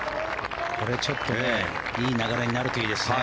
これ、ちょっといい流れになるといいですね。